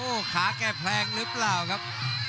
โอ้โหขาแกแพลงหรือเปล่าครับ